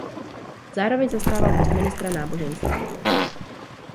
Zároveň zastával post ministra náboženství.